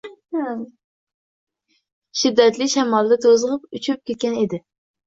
shiddatli shamolda to‘zg‘ib uchib ketgan edi.